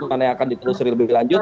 mana yang akan ditelusuri lebih lanjut